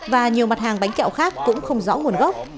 và nhiều mặt hàng bánh kẹo khác cũng không rõ nguồn gốc